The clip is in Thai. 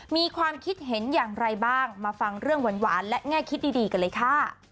มีความคิดเห็นอย่างไรบ้างมาฟังเรื่องหวานและแง่คิดดีกันเลยค่ะ